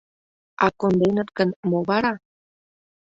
— А конденыт гын, мо вара?